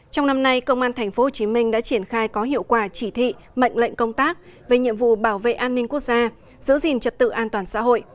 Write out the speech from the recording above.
trong năm nay công an tp hcm đã triển khai có hiệu quả chỉ thị mệnh lệnh công tác về nhiệm vụ bảo vệ an ninh quốc gia giữ gìn trật tự an toàn xã hội